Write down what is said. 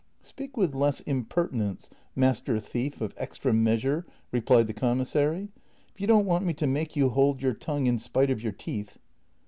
" Speak with less impertinence, master thief of extra meas ure, replied the commissary, "if you don't want me to make you hold your tongue in spite of your teeth."